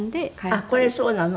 あっこれそうなの？